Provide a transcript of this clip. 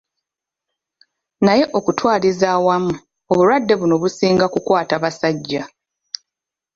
Naye okutwaliza awamu, obulwadde buno businga kukwata basajja